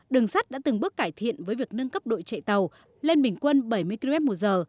đường sắt đã từng bước cải thiện với việc nâng cấp đội chạy tàu lên bình quân bảy mươi km một giờ